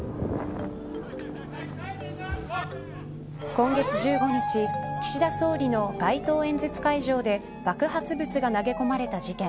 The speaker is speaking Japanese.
今月１５日岸田総理の街頭演説会場で爆発物が投げ込まれた事件。